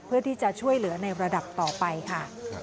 เพื่อที่จะช่วยเหลือในระดับต่อไปค่ะ